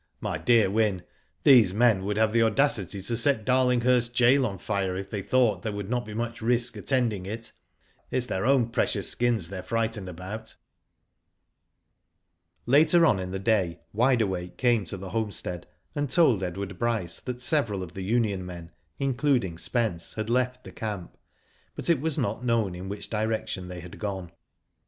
My dear Wyn, these men would have the audacity to set Darlinghurst Gaol on fire if they thought there would not be much risk attending it. It is their own precious skins they are frightened about." Later on in the day Wide Awake came to the homestead, and told Edward Bryce that several of the Union men, including Spence, had left the camp, but it was not known in which direction they had gone.